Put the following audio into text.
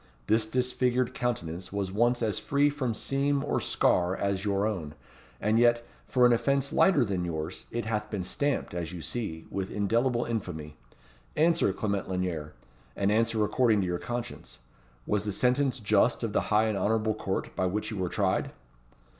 This disfigured countenance was once as free from seam or scar as your own; and yet, for an offence lighter than yours, it hath been stamped, as you see, with indelible infamy. Answer, Clement Lanyere, and answer according to your conscience, Was the sentence just of the high and honourable court by which you were tried?"